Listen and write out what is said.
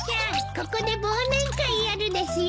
ここで忘年会やるですよ。